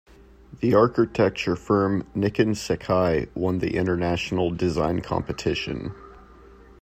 The architecture firm Nikken Sekkei won the international design competition.